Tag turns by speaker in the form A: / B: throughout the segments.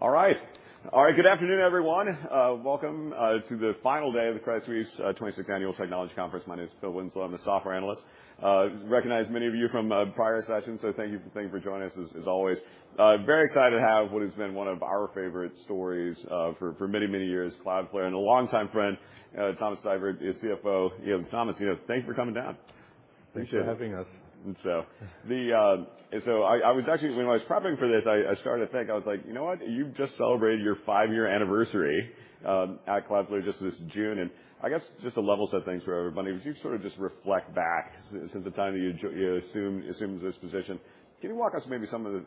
A: All right. All right, good afternoon, everyone. Welcome to the final day of the Credit Suisse 26th Annual Technology Conference. My name is Phil Winslow, I'm a software analyst. Recognize many of you from prior sessions, so thank you for joining us as always. Very excited to have what has been one of our favorite stories, for many, many years, Cloudflare, and a longtime friend, Thomas Seifert, the CFO. You know, Thomas, you know, thanks for coming down.
B: Thanks for having us.
A: I was actually when I was prepping for this, I started to think. I was like, "You know what? You've just celebrated your five-year anniversary at Cloudflare just this June." I guess just to level some things for everybody, would you sort of just reflect back since the time you assumed this position? Can you walk us maybe some of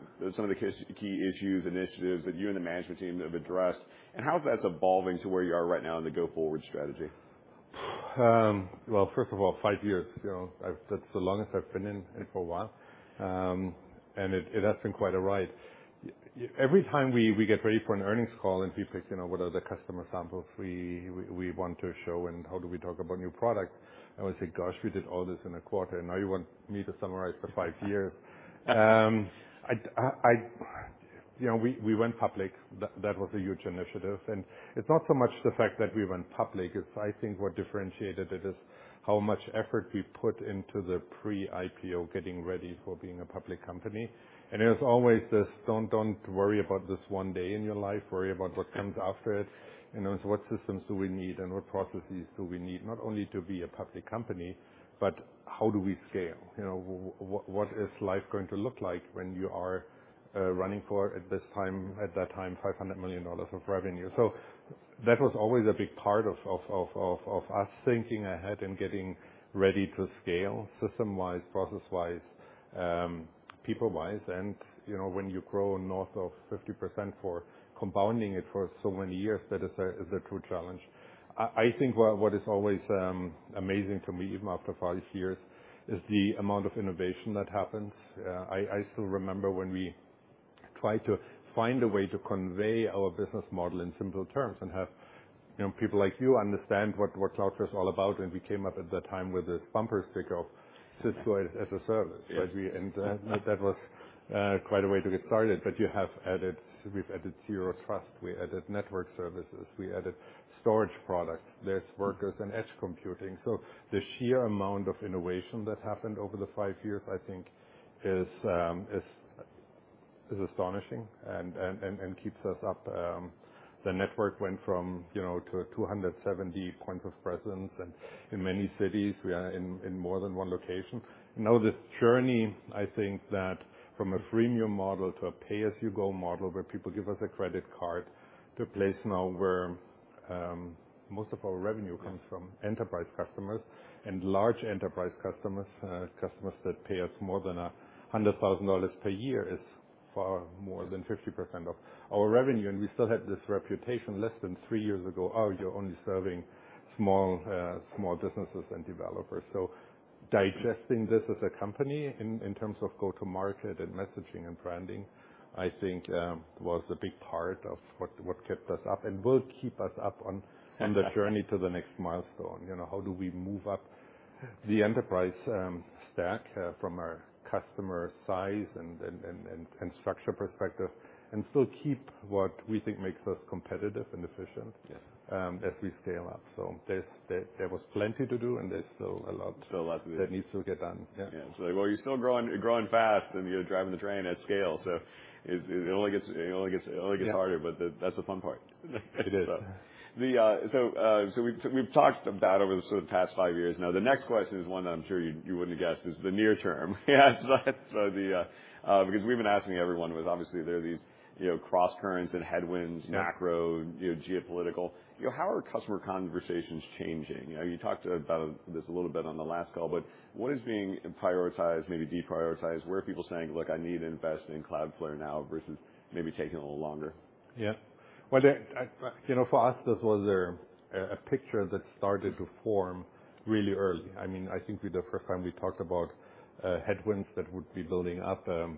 A: the key issues, initiatives that you and the management team have addressed, and how that's evolving to where you are right now in the go-forward strategy?
B: Well, first of all, five years, you know, that's the longest I've been in for a while. It has been quite a ride. Every time we get ready for an earnings call and we pick, you know, what are the customer samples we want to show and how do we talk about new products, and we say, "Gosh, we did all this in a quarter, and now you want me to summarize the five years." You know, we went public. That was a huge initiative. It's not so much the fact that we went public, it's I think what differentiated it is how much effort we put into the pre-IPO getting ready for being a public company. It was always this, "Don't worry about this one day in your life, worry about what comes after it." You know, what systems do we need and what processes do we need, not only to be a public company, but how do we scale? You know, what is life going to look like when you are running for, at that time, $500 million of revenue? That was always a big part of us thinking ahead and getting ready to scale system-wise, process-wise, people-wise. You know, when you grow north of 50% for compounding it for so many years, that is a true challenge. I think what is always amazing to me, even after five years, is the amount of innovation that happens. I still remember when we tried to find a way to convey our business model in simple terms and have, you know, people like you understand what Cloudflare's all about, and we came up at that time with this bumper sticker, "Cisco as a service.
A: Yes.
B: That was quite a way to get started. We've added Zero Trust, we added network services, we added storage products. There's Workers and edge computing. The sheer amount of innovation that happened over the five years, I think, is astonishing and keeps us up. The network went from, you know, to 270 points of presence. In many cities we are in more than one location. Now, this journey, I think that from a freemium model to a pay-as-you-go model, where people give us a credit card, to a place now where most of our revenue comes from enterprise customers and large enterprise customers that pay us more than $100,000 per year is far more than 50% of our revenue. We still had this reputation less than three years ago, "Oh, you're only serving small businesses and developers." Digesting this as a company in terms of go-to-market and messaging and branding, I think was a big part of what kept us up and will keep us up on the journey to the next milestone. You know, how do we move up the enterprise stack from a customer size and structure perspective, and still keep what we think makes us competitive and efficient.
A: Yes
B: as we scale up. There was plenty to do, and there's still a lot.
A: Still a lot to do....
B: that needs to get done. Yeah.
A: Yeah. While you're still growing, you're growing fast and you're driving the train at scale, it only gets harder.
B: Yeah.
A: That's the fun part.
B: It is.
A: We've talked about over the sort of past five years. The next question is one that I'm sure you wouldn't have guessed is the near term. Yeah. The... We've been asking everyone with obviously there are these, you know, crosscurrents and headwinds-
B: Yeah...
A: macro, you know, geopolitical. You know, how are customer conversations changing? You know, you talked about this a little bit on the last call, but what is being prioritized, maybe deprioritized? Where are people saying, "Look, I need to invest in Cloudflare now," versus maybe taking a little longer?
B: Yeah. Well, the, you know, for us, this was a picture that started to form really early. I mean, I think we the first time we talked about headwinds that would be building up, it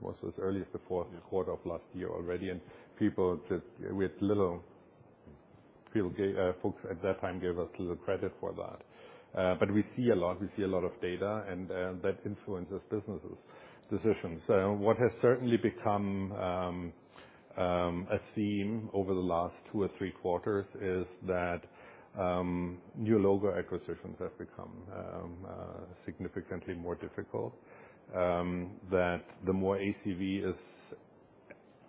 B: was as early as the fourth quarter of last year already. Folks at that time gave us little credit for that. We see a lot, we see a lot of data and that influences businesses' decisions. What has certainly become a theme over the last two or three quarters is that new logo acquisitions have become significantly more difficult. The more ACV is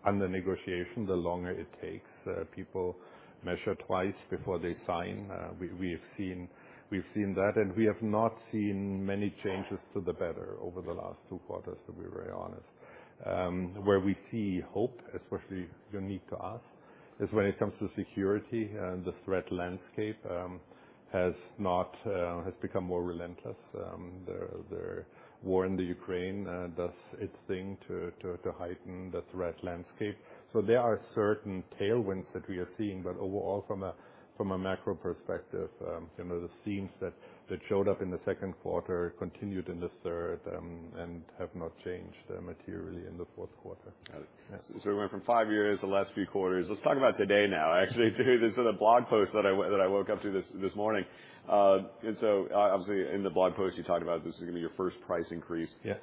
B: under negotiation, the longer it takes. People measure twice before they sign. We've seen that. We have not seen many changes to the better over the last two quarters, to be very honest. Where we see hope, especially unique to us, is when it comes to security and the threat landscape has not become more relentless. The war in the Ukraine does its thing to heighten the threat landscape. There are certain tailwinds that we are seeing, but overall, from a macro perspective, you know, the themes that showed up in the second quarter continued in the third, have not changed materially in the fourth quarter.
A: We went from five years the last few quarters. Let's talk about today now. Actually, there's a blog post that I woke up to this morning. Obviously in the blog post, you talked about this is gonna be your first price increase.
B: Yeah...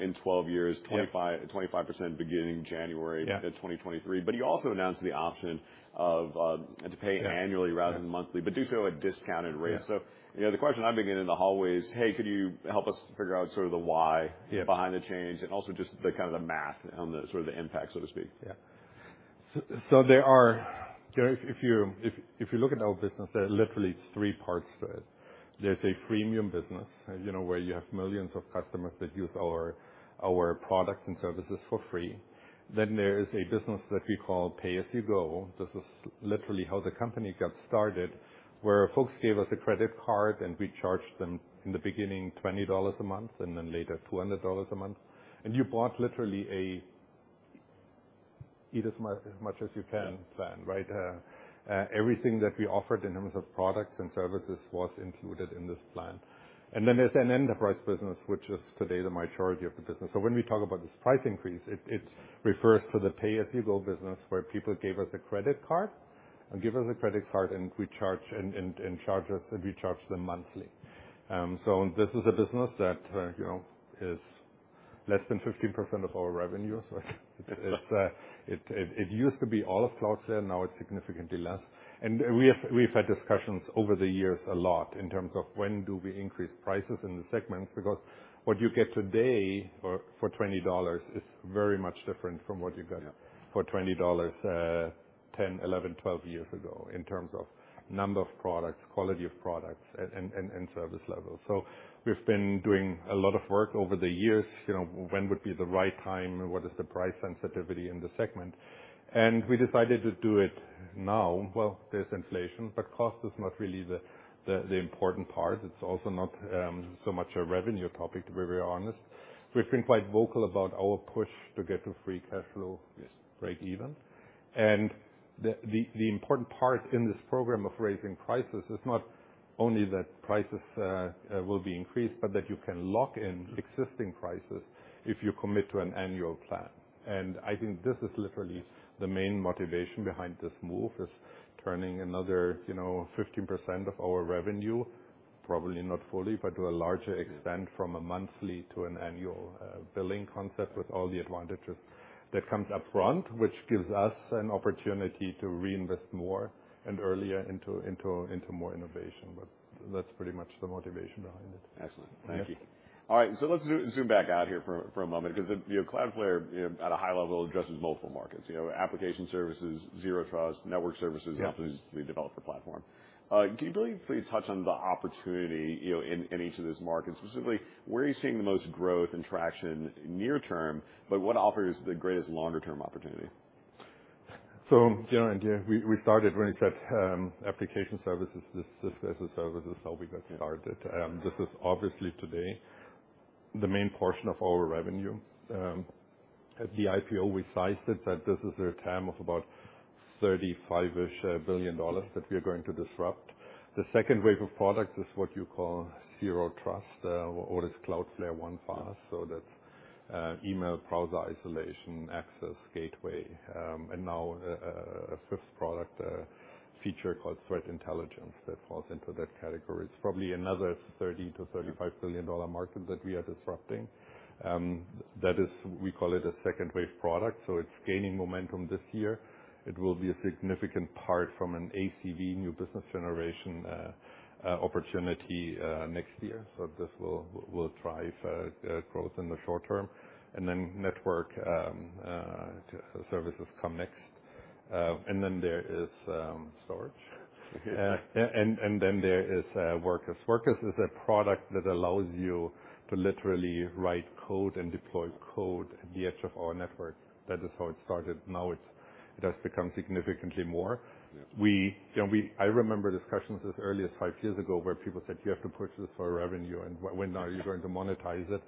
A: in 12 years.
B: Yeah.
A: 25% beginning January of 2023.
B: Yeah.
A: You also announced the option of to pay annually...
B: Yeah
A: rather than monthly, but do so at discounted rates.
B: Yeah.
A: You know, the question I've been getting in the hallway is, "Hey, could you help us figure out sort of the why...
B: Yeah...
A: behind the change, and also just the kind of the math on the sort of the impact, so to speak?
B: Yeah. So there are, you know, if you look at our business, there are literally three parts to it. There's a freemium business, you know, where you have millions of customers that use our products and services for free. There is a business that we call pay-as-you-go. This is literally how the company got started, where folks gave us a credit card, and we charged them, in the beginning, $20 a month, and then later $200 a month. You bought literally a eat as much as you can plan, right? Everything that we offered in terms of products and services was included in this plan. There's an enterprise business, which is today the majority of the business. When we talk about this price increase, it refers to the pay-as-you-go business where people give us a credit card, and we charge them monthly. This is a business that, you know, is less than 15% of our revenue. It used to be all of Cloudflare, now it's significantly less. We've had discussions over the years a lot in terms of when do we increase prices in the segments, because what you get today for $20 is very much different from what you got.
A: Yeah.
B: for $20, 10, 11, 12 years ago in terms of number of products, quality of products and service levels. We've been doing a lot of work over the years, you know, when would be the right time? What is the price sensitivity in the segment? We decided to do it now. There's inflation, but cost is not really the important part. It's also not so much a revenue topic, to be very honest. We've been quite vocal about our push to get to free cash flow.
A: Yes.
B: break even. The important part in this program of raising prices is not only that prices will be increased, but that you can lock in existing prices if you commit to an an annual plan. I think this is literally the main motivation behind this move, is turning another, you know, 15% of our revenue, probably not fully, but to a larger extent, from a monthly to an annual billing concept with all the advantages that comes up front, which gives us an opportunity to reinvest more and earlier into more innovation. That's pretty much the motivation behind it.
A: Excellent. Thank you.
B: Yeah.
A: All right. Let's zoom back out here for a moment 'cause, you know, Cloudflare, you know, at a high level addresses multiple markets. You know, application services, Zero Trust, network services.
B: Yeah.
A: obviously developer platform. Can you really please touch on the opportunity, you know, in each of those markets? Specifically, where are you seeing the most growth and traction near term, but what offers the greatest longer term opportunity?
B: you know, we started when you said application services, this as a service is how we got started. This is obviously today the main portion of our revenue. At the IPO, we sized it that this is a TAM of about $35-ish billion that we are going to disrupt. The second wave of products is what you call Zero Trust or is Cloudflare One Pass. That's email, browser isolation, access gateway, and now a fifth product feature called Threat Intelligence that falls into that category. It's probably another $30 billion-$35 billion market that we are disrupting. That is, we call it a second wave product, so it's gaining momentum this year. It will be a significant part from an ACV new business generation opportunity next year. This will drive growth in the short term. Network services come next. There is storage.
A: Okay.
B: Yeah. Then there is Workers. Workers is a product that allows you to literally write code and deploy code at the edge of our network. That is how it started. Now it has become significantly more.
A: Yes.
B: We, you know, I remember discussions as early as five years ago where people said, "You have to push this for revenue, and when are you going to monetize it?"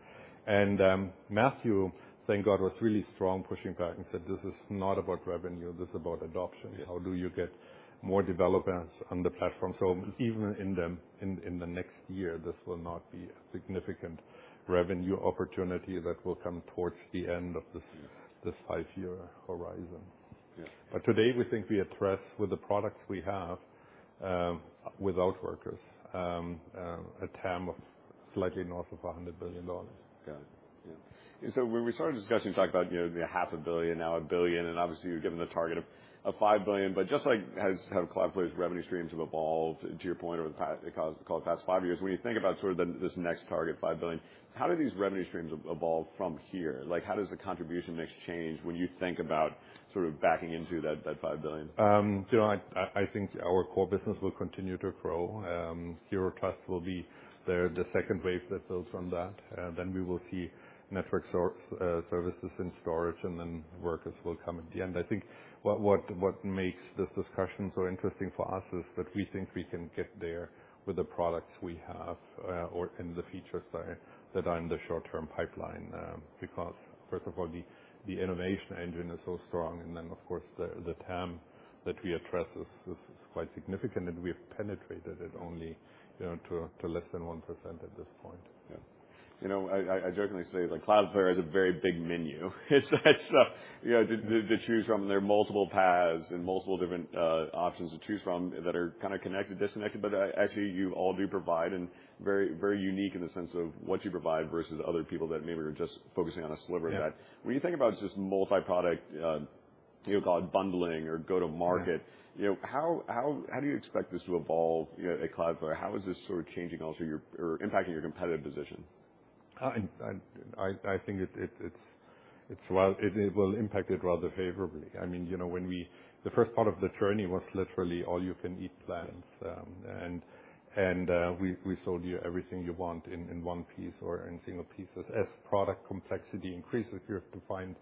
B: Matthew, thank God, was really strong pushing back and said, "This is not about revenue. This is about adoption.
A: Yes.
B: How do you get more developers on the platform? Even in the next year, this will not be a significant revenue opportunity that will come towards the end of this.
A: Yes.
B: this five-year horizon.
A: Yeah.
B: Today, we think we address with the products we have, without Workers, a TAM of slightly north of $100 billion.
A: Got it. Yeah. When we started discussing, talking about, you know, the half a billion, now $1 billion, obviously you're given the target of $5 billion, just like as kind of Cloudflare's revenue streams have evolved, to your point, over the past five years, when you think about sort of this next target, $5 billion, how do these revenue streams evolve from here? Like, how does the contribution mix change when you think about sort of backing into that $5 billion?
B: You know, I think our core business will continue to grow. Zero Trust will be the second wave that builds on that. We will see network services and storage, and then Workers will come at the end. I think what makes this discussion so interesting for us is that we think we can get there with the products we have, or, and the features that are in the short-term pipeline. First of all, the innovation engine is so strong, and then of course, the TAM that we address is quite significant, and we have penetrated it only, you know, to less than 1% at this point.
A: Yeah. You know, I jokingly say that Cloudflare has a very big menu. It's, you know, to choose from. There are multiple paths and multiple different options to choose from that are kinda connected, disconnected, but actually, you all do provide and very unique in the sense of what you provide versus other people that maybe are just focusing on a sliver of that.
B: Yeah.
A: When you think about just multi-product, you know, call it bundling or go-to-market.
B: Right.
A: you know, how do you expect this to evolve at Cloudflare? How is this sort of changing also or impacting your competitive position?
B: I think it will impact it rather favorably. I mean, you know, when the first part of the journey was literally all you can eat plans. We sold you everything you want in one piece or in single pieces. As product complexity increases, you have to find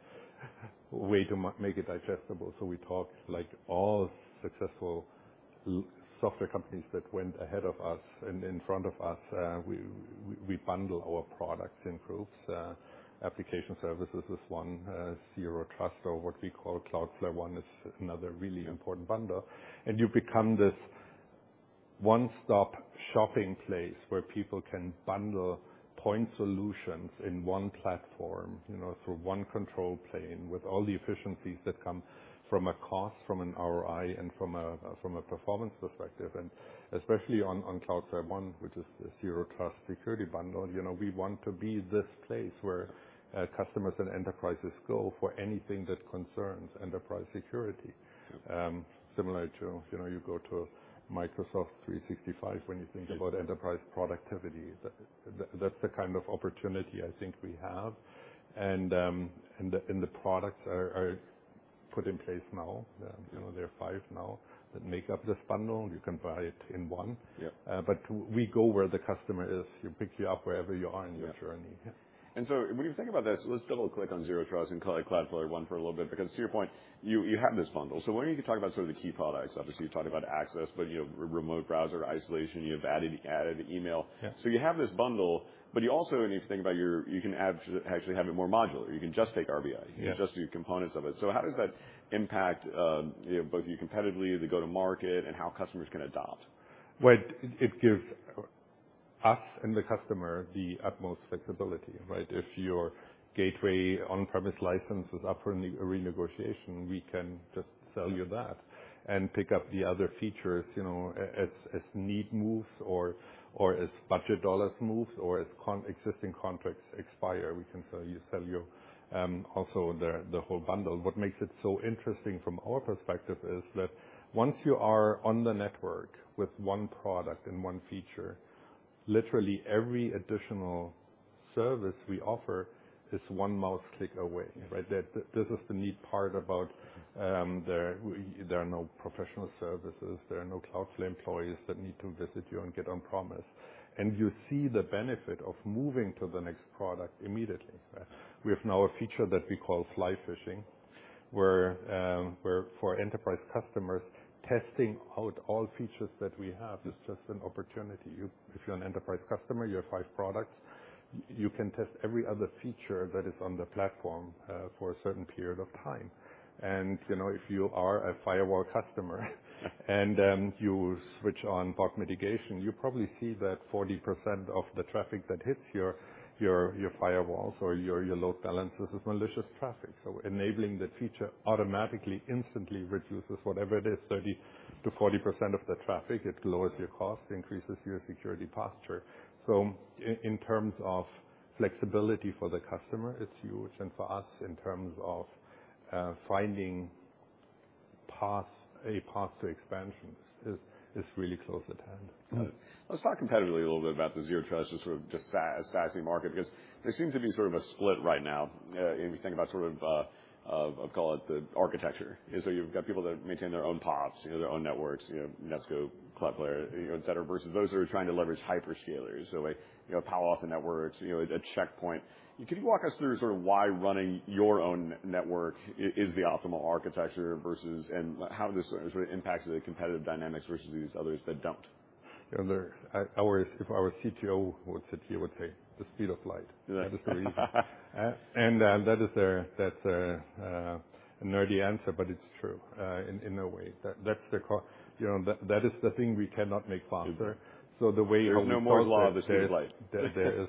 B: a way to make it digestible. We talk like all successful software companies that went ahead of us and in front of us, we bundle our products in groups. Application services is one. Zero Trust or what we call Cloudflare One is another really important bundle. You become this one-stop shopping place where people can bundle point solutions in one platform, you know, through one control plane, with all the efficiencies that come from a cost, from an ROI, and from a, from a performance perspective. Especially on Cloudflare One, which is the Zero Trust security bundle, you know, we want to be this place where customers and enterprises go for anything that concerns enterprise security.
A: Yep.
B: Similar to, you know, you go to Microsoft 365 when you think about enterprise productivity. That's the kind of opportunity I think we have. The products are put in place now. You know, there are five now that make up this bundle. You can buy it in one.
A: Yep.
B: We go where the customer is. We pick you up wherever you are in your journey.
A: Yeah. When you think about this, let's double-click on Zero Trust and call it Cloudflare One for a little bit, because to your point, you have this bundle. Why don't you talk about some of the key products? Obviously, you talked about access, but you have remote browser isolation. You have added email.
B: Yes.
A: You have this bundle, you also need to think about you can add to actually have it more modular. You can just take RBI.
B: Yes.
A: You can just do components of it. How does that impact, you know, both of you competitively, the go-to-market, and how customers can adopt?
B: Well, it gives us and the customer the utmost flexibility, right? If your gateway on-premise license is up for a re-negotiation, we can just sell you that and pick up the other features, you know, as need moves or as budget dollars moves or as existing contracts expire. We can sell you also the whole bundle. What makes it so interesting from our perspective is that once you are on the network with one product and one feature, literally every additional service we offer is one mouse click away, right? This is the neat part about, there are no professional services, there are no Cloudflare employees that need to visit you and get on-premise. You see the benefit of moving to the next product immediately.
A: Yeah.
B: We have now a feature that we call fly fishing, where for enterprise customers, testing out all features that we have is just an opportunity. If you're an enterprise customer, you have five products, you can test every other feature that is on the platform for a certain period of time. You know, if you are a firewall customer and you switch on bot mitigation, you probably see that 40% of the traffic that hits your firewalls or your load balancers is malicious traffic. Enabling the feature automatically, instantly reduces whatever it is, 30%-40% of the traffic. It lowers your cost, increases your security posture. In terms of flexibility for the customer, it's huge. For us, in terms of finding paths, a path to expansion is really close at hand.
A: Let's talk competitively a little bit about the Zero Trust, just sort of just SASE market, because there seems to be sort of a split right now. If you think about sort of, call it the architecture. You've got people that maintain their own POPs, you know, their own networks, you know, Netskope, Cloudflare, you know, et cetera, versus those that are trying to leverage hyperscalers. Like, you know, Palo Alto Networks, you know, a Check Point. Can you walk us through sort of why running your own network is the optimal architecture versus and how this sort of impacts the competitive dynamics versus these others that don't?
B: You know, if our CTO would sit here, he would say, "The speed of light.
A: Yeah.
B: That is the reason. That's a nerdy answer, but it's true, in a way. That's You know, that is the thing we cannot make faster.
A: Mm-hmm.
B: So the way our-
A: There's no Moore's Law than the speed of light.
B: There is.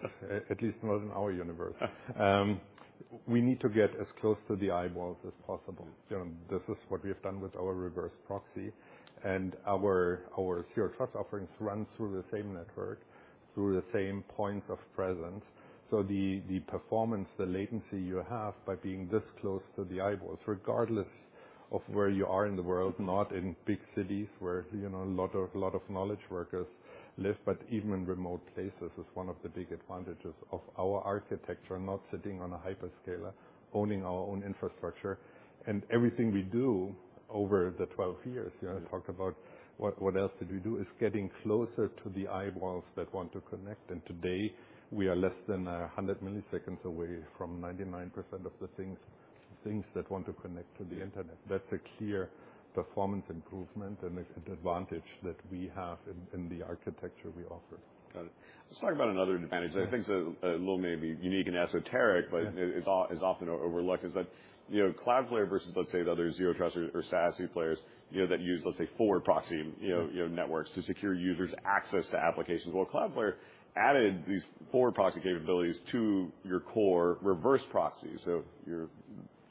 B: At least not in our universe. We need to get as close to the eyeballs as possible. You know, this is what we have done with our reverse proxy and our Zero Trust offerings runs through the same network, through the same points of presence. The performance, the latency you have by being this close to the eyeballs, regardless of where you are in the world, not in big cities where, you know, a lot of knowledge workers live, but even in remote places, is one of the big advantages of our architecture, not sitting on a hyperscaler, owning our own infrastructure. Everything we do over the 12 years, you know, talk about what else did we do, is getting closer to the eyeballs that want to connect. Today, we are less than 100 milliseconds away from 99% of the things that want to connect to the Internet. That's a clear performance improvement and advantage that we have in the architecture we offer.
A: Got it. Let's talk about another advantage.
B: Yes.
A: I think it's a little maybe unique and esoteric.
B: Yeah
A: ...but it's often overlooked is that, you know, Cloudflare versus, let's say, the other Zero Trust or SASE players, you know, that use, let's say, forward proxy, you know, networks to secure users' access to applications. Well, Cloudflare added these forward proxy capabilities to your core reverse proxy. You're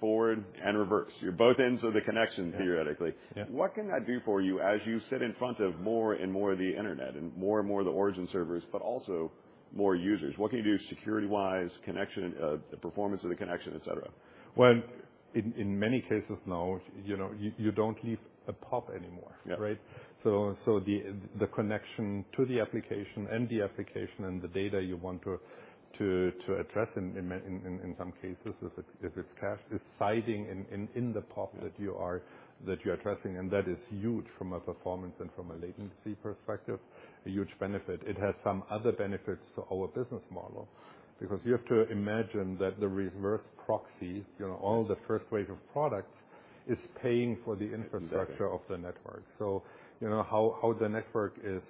A: forward and reverse. You're both ends of the connection theoretically.
B: Yeah.
A: What can that do for you as you sit in front of more and more of the Internet and more and more of the origin servers, but also more users? What can you do security-wise, connection, the performance of the connection, et cetera?
B: Well, in many cases now, you know, you don't leave a POP anymore, right?
A: Yeah.
B: The connection to the application and the application and the data you want to address in some cases, if it's cash, deciding in the top that you're addressing. That is huge from a performance and from a latency perspective, a huge benefit. It has some other benefits to our business model, because you have to imagine that the reverse proxy, you know, all the first wave of products is paying for the infrastructure of the network. You know how the network is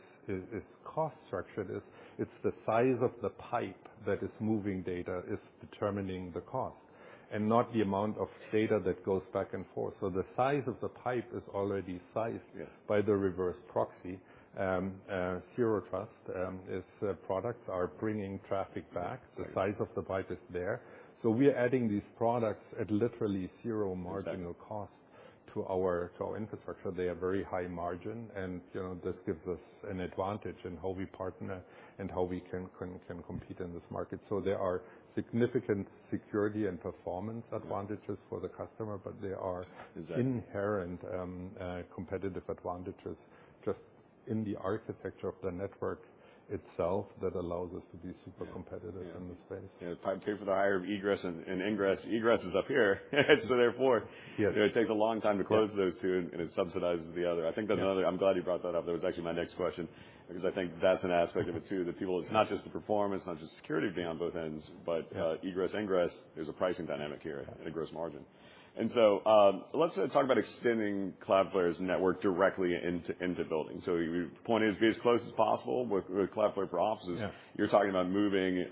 B: cost structured is it's the size of the pipe that is moving data is determining the cost and not the amount of data that goes back and forth. The size of the pipe is already sized.
A: Yes.
B: by the reverse proxy. Zero Trust is products are bringing traffic back. The size of the pipe is there. We are adding these products at literally zero marginal cost to our, to our infrastructure. They are very high margin, and, you know, this gives us an advantage in how we partner and how we can compete in this market. There are significant security and performance advantages for the customer, but they are inherent competitive advantages just in the architecture of the network itself that allows us to be super competitive in this space.
A: Yeah. If I pay for the higher egress and ingress. Egress is up here, so therefore.
B: Yes.
A: it takes a long time to close those two, and it subsidizes the other. I think that's another. I'm glad you brought that up. That was actually my next question, because I think that's an aspect of it too, that people. It's not just the performance, not just security being on both ends, but egress, ingress, there's a pricing dynamic here and a gross margin. Let's talk about extending Cloudflare's network directly into buildings. Your point is be as close as possible with Cloudflare for offices.
B: Yeah.
A: You're talking about moving,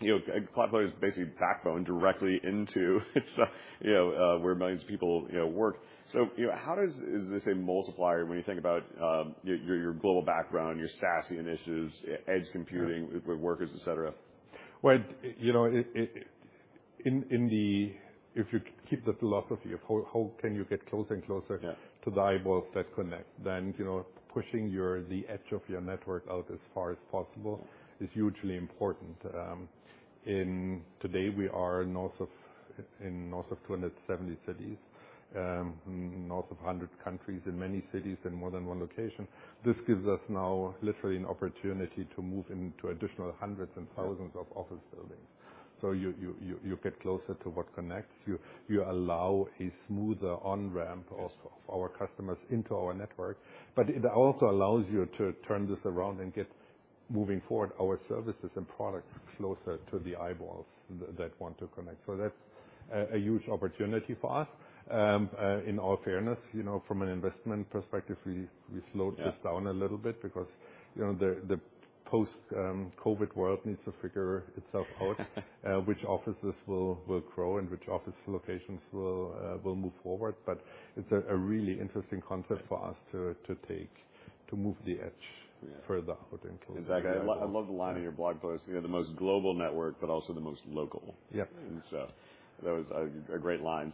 A: you know, Cloudflare's basically backbone directly into its, you know, where millions of people, you know, work. You know, how does this a multiplier when you think about, your global background, your SASE initiatives, edge computing with Workers, et cetera?
B: Well, you know, if you keep the philosophy of how can you get closer and closer.
A: Yeah.
B: to the eyeballs that connect, then, you know, pushing your, the edge of your network out as far as possible is hugely important. Today, we are in north of 270 cities, north of 100 countries in many cities in more than one location. This gives us now literally an opportunity to move into additional hundreds and thousands of office buildings. You get closer to what connects. You allow a smoother on-ramp also of our customers into our network. It also allows you to turn this around and get moving forward our services and products closer to the eyeballs that want to connect. That's a huge opportunity for us. In all fairness, you know, from an investment perspective, we slowed this down a little bit because, you know, the post, COVID world needs to figure itself out, which offices will grow and which office locations will move forward. It's a really interesting concept for us to take, to move the edge further out and closer.
A: Exactly. I love the line in your blog post. You know, the most global network but also the most local.
B: Yep.
A: That was a great line.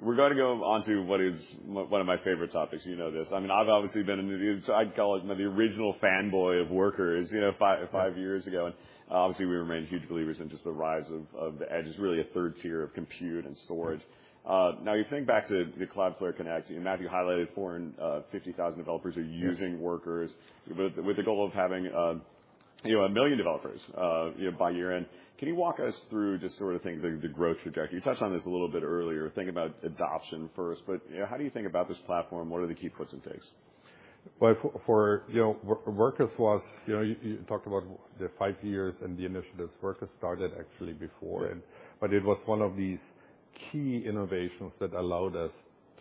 A: We're gonna go on to what is one of my favorite topics. You know this. I mean, I've obviously been in the-- I'd call it the original fanboy of Workers, you know, five years ago. Obviously, we remain huge believers in just the rise of the edge as really a third tier of compute and storage. Now you think back to the Cloudflare Connect, Matthew highlighted 450,000 developers are using Workers with the goal of having, you know, 1 million developers, you know, by year-end. Can you walk us through just sort of the growth trajectory? You touched on this a little bit earlier, thinking about adoption first. You know, how do you think about this platform? What are the key puts and takes?
B: Well, for, you know, Workers was, you know, you talked about the five years and the initiatives. Workers started actually before.
A: Yes.
B: it was one of these key innovations that allowed us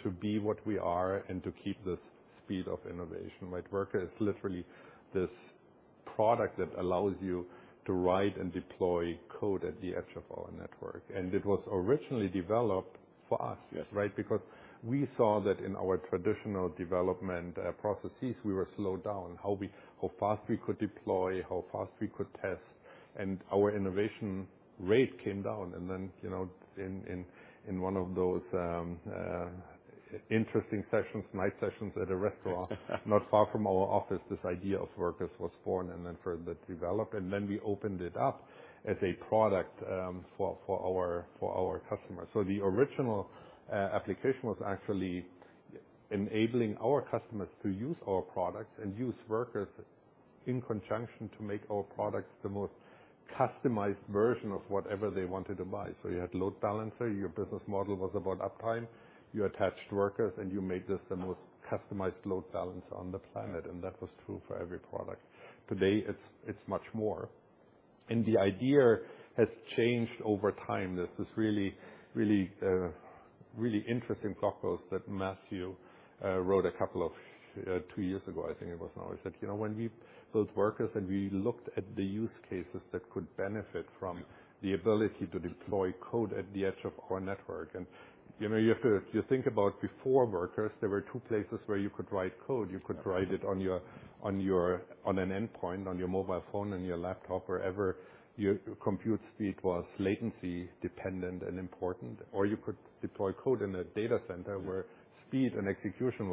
B: to be what we are and to keep this speed of innovation, right? Worker is literally this product that allows you to write and deploy code at the edge of our network, and it was originally developed for us.
A: Yes.
B: Right? Because we saw that in our traditional development processes, we were slowed down, how fast we could deploy, how fast we could test, and our innovation rate came down. You know, in one of those interesting sessions, night sessions at a restaurant not far from our office, this idea of Workers was born and then further developed, and then we opened it up as a product for our customers. The original application was actually enabling our customers to use our products and use Workers in conjunction to make our products the most customized version of whatever they wanted to buy. You had load balancer, your business model was about uptime, you attached Workers, and you made this the most customized load balancer on the planet, and that was true for every product. Today, it's much more. The idea has changed over time. There's this really interesting blog post that Matthew wrote a couple of two years ago, I think it was now. He said, "You know, when we built Workers and we looked at the use cases that could benefit from the ability to deploy code at the edge of our network." You know, you think about before Workers, there were two places where you could write code. You could write it on your, on an endpoint, on your mobile phone, on your laptop, wherever your compute speed was latency dependent and important. You could deploy code in a data center where speed and execution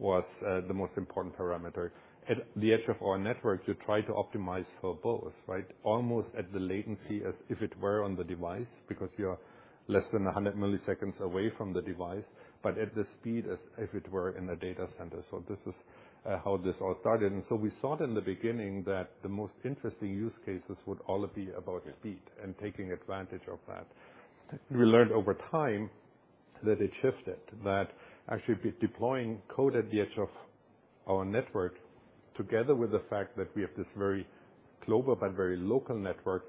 B: was the most important parameter. At the edge of our network, you try to optimize for both, right? Almost at the latency as if it were on the device because you're less than 100 milliseconds away from the device, but at the speed as if it were in a data center. This is how this all started. We thought in the beginning that the most interesting use cases would all be about speed and taking advantage of that. We learned over time that it shifted. That actually be deploying code at the edge of our network together with the fact that we have this very global but very local network,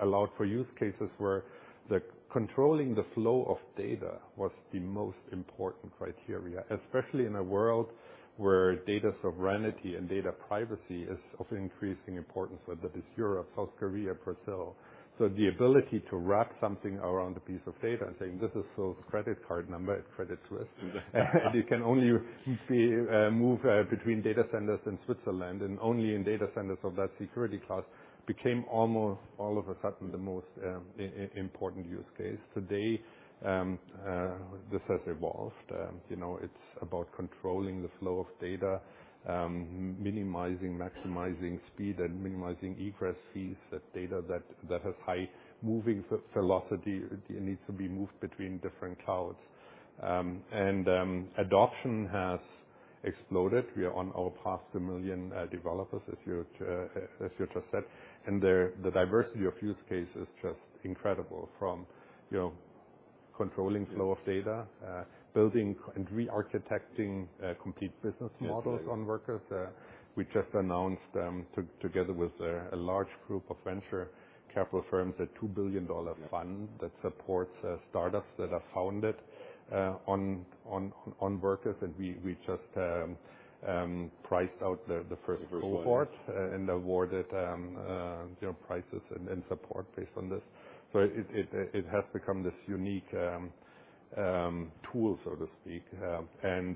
B: allowed for use cases where the controlling the flow of data was the most important criteria, especially in a world where data sovereignty and data privacy is of increasing importance, whether it's Europe, South Korea, Brazil. The ability to wrap something around a piece of data and saying, "This is so credit card number at Credit Suisse." You can only keep the move between data centers in Switzerland and only in data centers of that security class became almost all of a sudden the most important use case. Today, this has evolved. You know, it's about controlling the flow of data, minimizing, maximizing speed and minimizing egress fees that data that has high moving velocity, it needs to be moved between different clouds. Adoption has exploded. We are on our path to 1 million developers, as you just said. The diversity of use case is just incredible from, you know, controlling flow of data, building and re-architecting complete business models...
A: Yes.
B: on Workers. We just announced, together with a large group of venture capital firms, a $2 billion fund-
A: Yeah.
B: -that supports startups that are founded on Workers. We just priced out the first cohort.
A: The first one.
B: Awarded, you know, prices and support based on this. It has become this unique tool, so to speak. I'm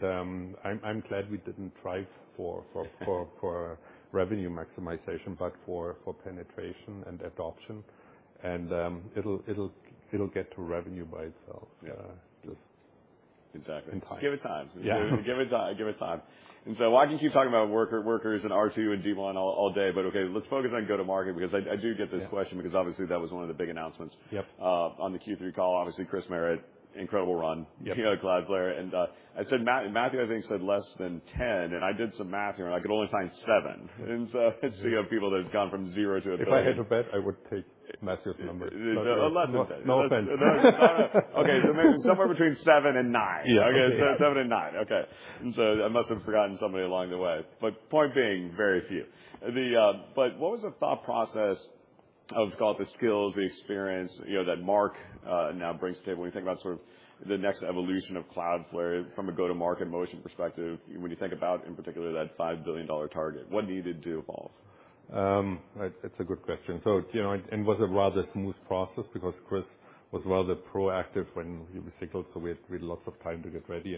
B: glad we didn't try for revenue maximization, but for penetration and adoption. It'll get to revenue by itself.
A: Yeah.
B: Just-
A: Exactly.
B: In time.
A: Give it time.
B: Yeah.
A: Give it time, give it time. I can keep talking about Workers and R2 and D1 all day, but let's focus on go-to-market, because I do get this question.
B: Yeah.
A: Because obviously, that was one of the big announcements.
B: Yep.
A: On the Q3 call, obviously, Chris Merritt, incredible run.
B: Yep.
A: He had a Cloudflare and, I said Matthew, I think said less than 10, and I did some math here, and I could only find seven. People that have gone from 0 to $1 billion.
B: If I had to bet, I would take Matthew's number.
A: Less than.
B: No offense.
A: Okay. Maybe somewhere between seven and nine.
B: Yeah.
A: Okay. seven and nine. Okay. I must have forgotten somebody along the way. Point being, very few. The... What was the thought process of call it the skills, the experience, you know, that Marc, now brings to the table when you think about sort of the next evolution of Cloudflare from a go-to-market motion perspective, when you think about, in particular, that $5 billion target, what do you need to do, Miles?
B: It's a good question. You know, and it was a rather smooth process because Chris was rather proactive when he was signaled, so we had really lots of time to get ready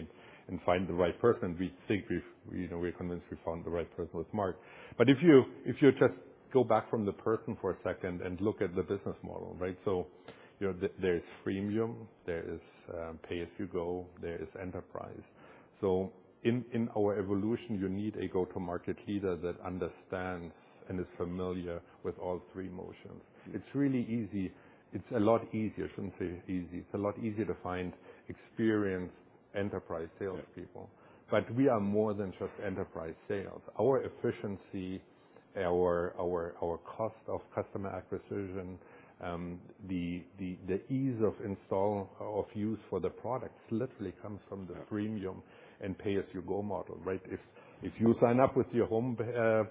B: and find the right person. We think we've, you know, we're convinced we found the right person with Marc. If you just go back from the person for a second and look at the business model, right? You know, there is freemium, there is pay-as-you-go, there is enterprise. In our evolution, you need a go-to-market leader that understands and is familiar with all three motions. It's really easy. It's a lot easier. I shouldn't say easy. It's a lot easier to find experienced enterprise sales people.
A: Yeah.
B: We are more than just enterprise sales. Our efficiency, our cost of customer acquisition, the ease of install of use for the product literally comes from the freemium and pay-as-you-go model, right? If you sign up with your home,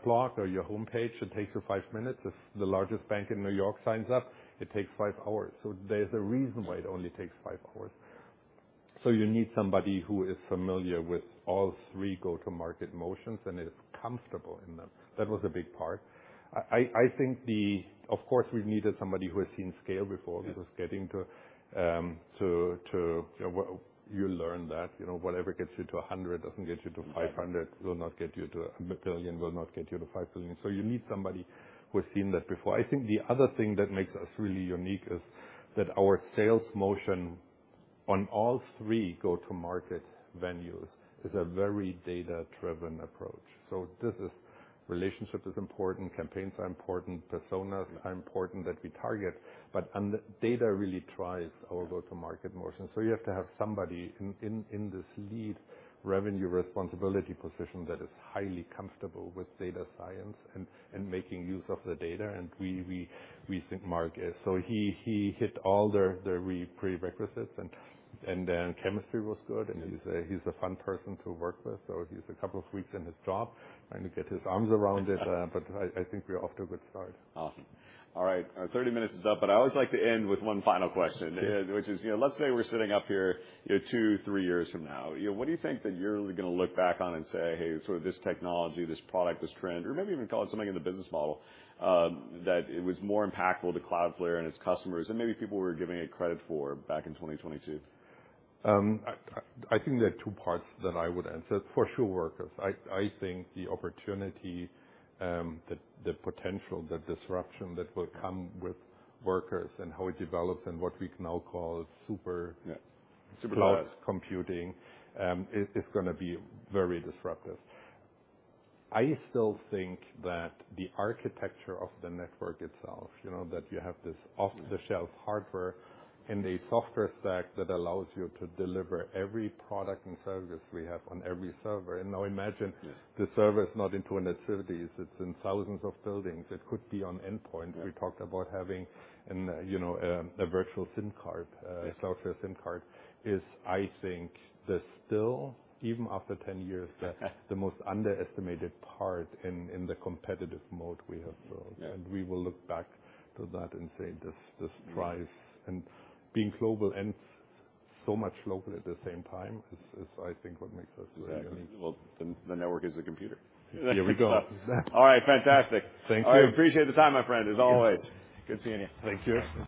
B: blog or your homepage, it takes you five minutes. If the largest bank in New York signs up, it takes five hours. There's a reason why it only takes five hours. You need somebody who is familiar with all three go-to-market motions and is comfortable in them. That was a big part. I think. Of course, we needed somebody who has seen scale before.
A: Yes.
B: Getting to, you know, you learn that, you know, whatever gets you to 100 doesn't get you to 500.
A: Yeah.
B: Will not get you to $1 billion, will not get you to $5 billion. You need somebody who has seen that before. I think the other thing that makes us really unique is that our sales motion on all three go-to-market venues is a very data-driven approach. This is relationship is important, campaigns are important, personas are important that we target, but data really drives our go-to-market motion. You have to have somebody in this lead revenue responsibility position that is highly comfortable with data science and making use of the data, and we think Marc is. He hit all the prerequisites and chemistry was good.
A: Yeah.
B: He's a, he's a fun person to work with. He's a couple of weeks in his job trying to get his arms around it. I think we're off to a good start.
A: Awesome. All right. Our 30 minutes is up, but I always like to end with one final question. Which is, you know, let's say we're sitting up here, you know, two, three years from now. You know, what do you think that you're gonna look back on and say, "Hey, sort of this technology, this product, this trend", or maybe even call it something in the business model, that it was more impactful to Cloudflare and its customers, and maybe people were giving it credit for back in 2022?
B: I think there are two parts that I would answer. For sure, Workers. I think the opportunity, the potential, the disruption that will come with Workers and how it develops and what we can now call super-
A: Yeah. Supercloud.
B: cloud computing is gonna be very disruptive. I still think that the architecture of the network itself, you know, that you have this off-the-shelf hardware and a software stack that allows you to deliver every product and service we have on every server. Now imagine
A: Yes.
B: the server is not in 270 cities, it's in thousands of buildings. It could be on endpoints.
A: Yeah.
B: We talked about having an, you know, a virtual SIM card.
A: Yes.
B: A software SIM card. Is, I think, the still, even after ten years, the most underestimated part in the competitive mode we have built.
A: Yeah.
B: We will look back to that and say, "This drives." Being global and so much local at the same time is, I think, what makes us unique.
A: Exactly. Well, the network is a computer.
B: There we go. Exactly.
A: All right. Fantastic.
B: Thank you.
A: I appreciate the time, my friend, as always. Good seeing you.
B: Thank you.